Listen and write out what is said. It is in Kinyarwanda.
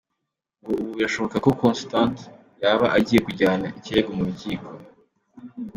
Ngo ubu birashoboka ko Constante yaba agiye kujyana ikirego mu rukiko.